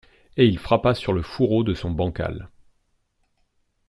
Et il frappa sur le fourreau de son bancal.